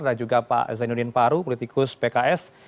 ada juga pak zainuddin paru politikus pks